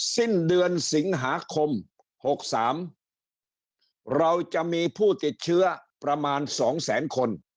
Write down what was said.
สิ้นเดือนสิงหาคม๖๓เราจะมีผู้ติดเชื้อประมาณ๒แสนคน